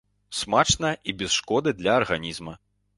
Смачна і без шкоды для арганізма.